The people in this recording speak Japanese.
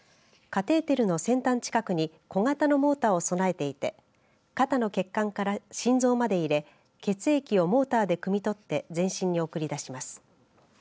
カテーテルの先端近くに小型のモーターを備えていて肩の血管から心臓まで入れ血液をモーターでくみ取って全身に送り出します。